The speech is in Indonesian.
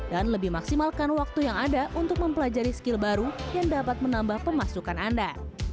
dan lebih maksimalkan waktu yang ada untuk mempelajari skill baru yang dapat menambah pemasukan anda